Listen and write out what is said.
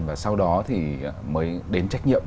và sau đó thì mới đến trách nhiệm